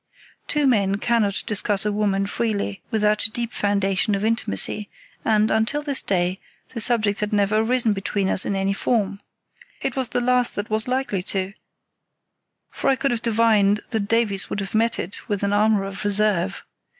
Two men cannot discuss a woman freely without a deep foundation of intimacy, and, until this day, the subject had never arisen between us in any form. It was the last that was likely to, for I could have divined that Davies would have met it with an armour of reserve.